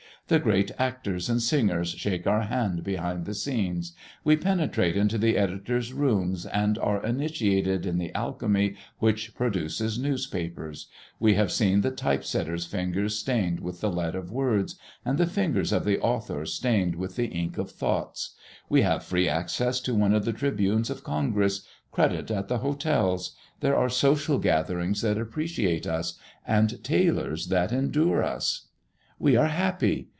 The great actors and singers shake our hand behind the scenes. We penetrate into the editor's rooms and are initiated in the alchemy which produces newspapers. We have seen the type setter's fingers stained with the lead of words, and the fingers of the author stained with the ink of thoughts. We have free access to one of the tribunes of Congress, credit at the hotels; there are social gatherings that appreciate us, and tailors that endure us. We are happy!